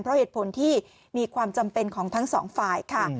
เพราะเหตุผลที่มีความจำเป็นของทั้งสองฝ่ายค่ะ